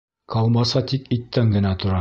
Колбаса тик иттән генә тора.